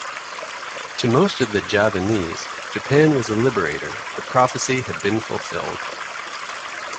To most of the Javanese, Japan was a liberator: the prophecy had been fulfilled.